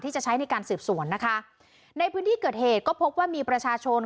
จะใช้ในการสืบสวนนะคะในพื้นที่เกิดเหตุก็พบว่ามีประชาชน